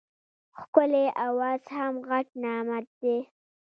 ښکلی اواز هم غټ نعمت دی.